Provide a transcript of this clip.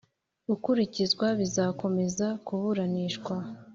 gukurikizwa bizakomeza kuburanishwa